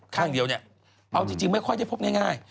ข้างเดียวเนี่ยเอาจริงไม่ค่อยได้พบง่าย